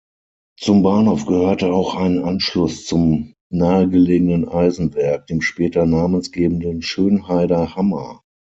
Zum Bahnhof gehörte auch ein Anschluss zum nahegelegenen Eisenwerk, dem später namensgebenden Schönheider Hammer.